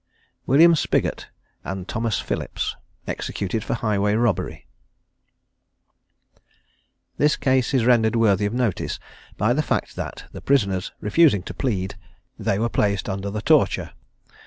WILLIAM SPIGGOT, AND THOMAS PHILLIPS. EXECUTED FOR HIGHWAY ROBBERY. This case is rendered worthy of notice, by the fact that, the prisoners refusing to plead, they were placed under the torture.